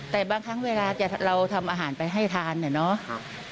แต่บางครั้งเวลาเราทำอาหารไปให้ทานเนี่ยเนาะ